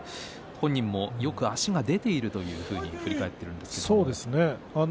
本人もよく足が出ていると言っていましたね。